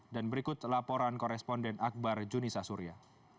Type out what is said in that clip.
dan berikut laporan koresponden akbar junisa surya